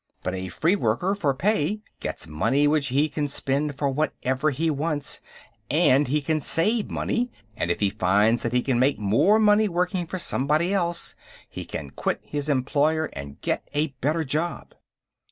But a free worker for pay gets money which he can spend for whatever he wants, and he can save money, and if he finds that he can make more money working for somebody else, he can quit his employer and get a better job."